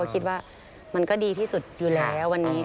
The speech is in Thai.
คิดว่ามันก็ดีที่สุดอยู่แล้ววันนี้